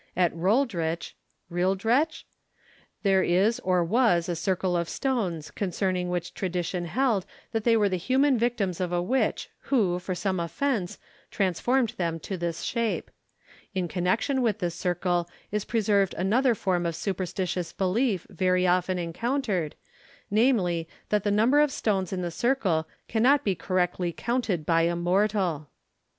At Rolldritch (Rhwyldrech?) there is or was a circle of stones, concerning which tradition held that they were the human victims of a witch who, for some offence, transformed them to this shape. In connection with this circle is preserved another form of superstitious belief very often encountered, namely, that the number of stones in the circle cannot be correctly counted by a mortal.